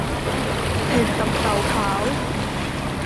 เห็ดตับเต่าขาว